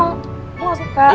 gue gak suka